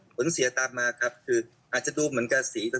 เหมือนเสียตามาครับคืออาจจะดูเหมือนกับสี